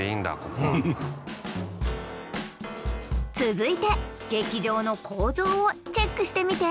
続いて劇場の構造をチェックしてみて。